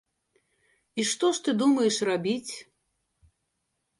І што ж ты думаеш рабіць?